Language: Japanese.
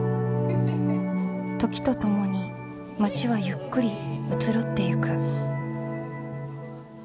時と共に町はゆっくり移ろっていく。